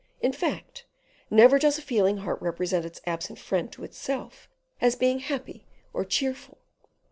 In fact, never does a feeling heart represent its absent friend to itself as being happy or cheerful.